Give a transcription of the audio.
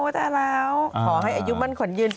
ขอให้อายุมั่นขนยืน